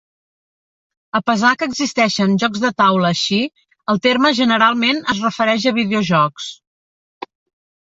A pesar que existeixen jocs de taula així, el terme generalment es refereix a videojocs.